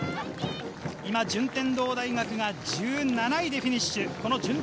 今、順天堂大学が１７位でフィニッシュ。